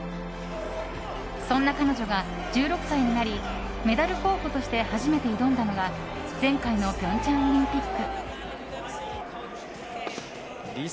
そんな彼女が１６歳となりメダル候補として初めて挑んだのが前回の平昌オリンピック。